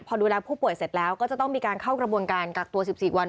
พอดูแลผู้ป่วยเสร็จแล้วก็จะต้องมีการเข้ากระบวนการกักตัว๑๔วัน